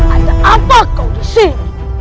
ada apa kau di sini